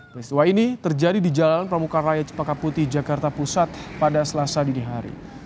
peristiwa ini terjadi di jalan pramuka raya cepaka putih jakarta pusat pada selasa dini hari